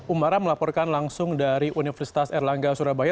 umara melaporkan langsung dari universitas erlangga surabaya